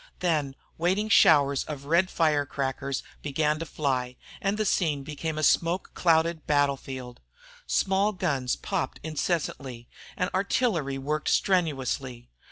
Then waiting showers of red fire crackers began to fly, and the scene became a smoke clouded battlefield. Small guns popped incessantly and artillery worked strenuously.